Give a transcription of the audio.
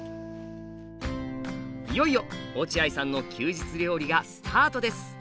いよいよ落合さんの休日料理がスタートです。